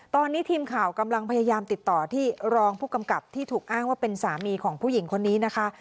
ตอนนี้ทีมข่าวกำลังพยายามติดต่อที่รองผู้กำกับที่ถูกอ้างว่าเป็นสามีของผู้หญิงคนนี้นะคะ